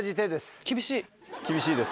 厳しいです。